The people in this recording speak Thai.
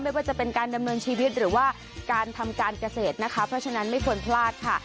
ไม่ว่าจะเป็นการดำเนินชีวิตหรือว่าการทำการเกษตรนะคะเพราะฉะนั้นไม่ควรพลาดค่ะ